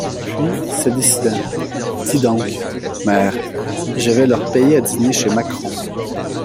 Puis, se décidant: — Dis donc, mère, je vas leur payer à dîner chez Macqueron.